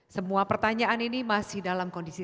semua pertanyaan ini masih dalam kondisi